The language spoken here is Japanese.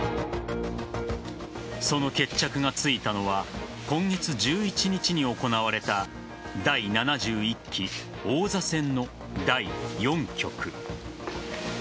その決着がついたのは今月１１日に行われた第７１期王座戦の第４局。